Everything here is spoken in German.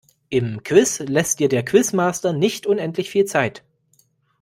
Im Quiz lässt dir der Quizmaster nicht unendlich viel Zeit.